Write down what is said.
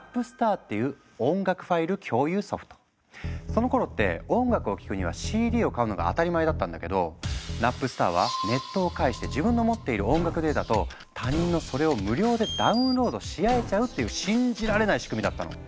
そのころって音楽を聴くにはＣＤを買うのが当たり前だったんだけどナップスターはネットを介して自分の持っている音楽データと他人のそれを無料でダウンロードし合えちゃうっていう信じられない仕組みだったの！